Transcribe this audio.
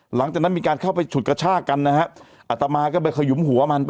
หลังจากนั้นมีการเข้าไปฉุดกระชากกันนะฮะอัตมาก็ไปขยุมหัวมันไป